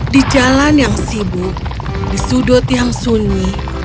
di jalan yang sibuk di sudut yang sunyi